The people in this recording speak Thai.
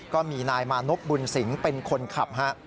ก็มีนายมานพบุญสิงเป็นคนขับฮะ